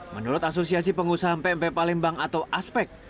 menurut asosiasi pengusaha pmp palembang atau aspek